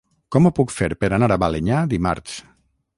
Com ho puc fer per anar a Balenyà dimarts?